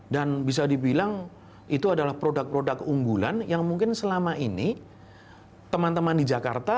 dan bisa dibilang itu adalah produk produk unggulan yang mungkin selama ini teman teman di jakarta